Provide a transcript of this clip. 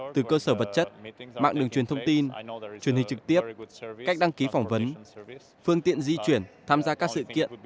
từ cơ sở vật chất mạng đường truyền thông tin truyền hình trực tiếp cách đăng ký phỏng vấn phương tiện di chuyển tham gia các sự kiện